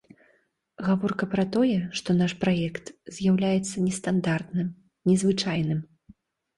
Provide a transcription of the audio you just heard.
Гаворка пра тое, што наш праект з'яўляецца нестандартным, незвычайным.